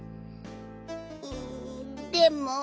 うんでも。